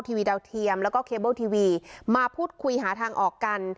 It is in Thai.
ทีวีดาวเทียมแล้วก็เคเบิลทีวีมาพูดคุยหาทางออกกัน